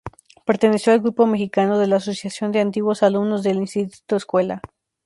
Perteneció al grupo mexicano de la Asociación de Antiguos Alumnos del Instituto Escuela.